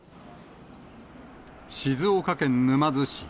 静岡県沼津市。